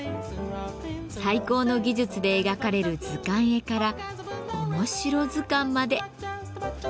最高の技術で描かれる図鑑絵からおもしろ図鑑まで。